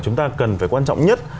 chúng ta cần phải quan trọng nhất